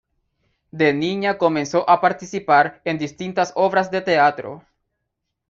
De niña comenzó a participar en distintas obras de teatro.